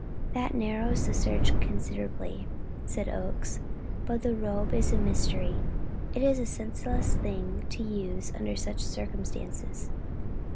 That narrows the search considerably," said Oakes. "But the robe is a mystery; it is a senseless thing to use under such circumstances."